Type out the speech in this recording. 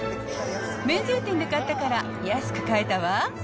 免税店で買ったから安く買えたわ。